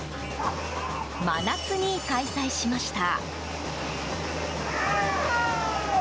真夏に開催しました。